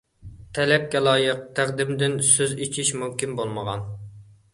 تەلەپكە لايىق تەقدىمدىن سۆز ئېچىش مۇمكىن بولمىغان.